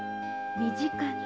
身近に。